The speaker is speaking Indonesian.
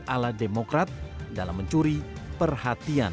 ala demokrat dalam mencuri perhatian